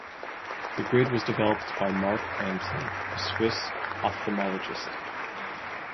The grid was developed by Marc Amsler, a Swiss ophthalmologist.